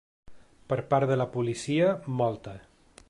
Per part de la policia, molta.